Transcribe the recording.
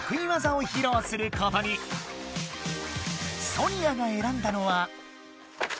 ソニアがえらんだのは。